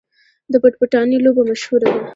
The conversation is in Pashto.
د پټ پټانې لوبه مشهوره ده.